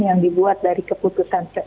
yang dibuat dari keputusan